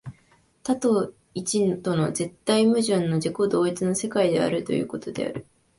多と一との絶対矛盾の自己同一の世界であるということである。